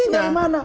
ini hukum dari mana